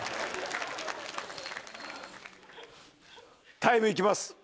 タイム行きます。